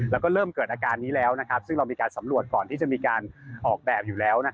แล้วก็เริ่มเกิดอาการนี้แล้วซึ่งเรามีการสำรวจก่อนที่จะมีการออกแบบอยู่แล้ว